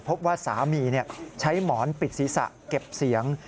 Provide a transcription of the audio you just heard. พบว่าสามีใช้หมอนปิดศีรษะเก็บเสียง